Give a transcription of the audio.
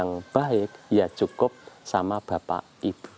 untuk ucapan yang baik ya cukup sama bapak ibu